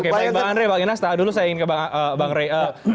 oke baik bang andre bang inas tahan dulu saya ingin ke bang ray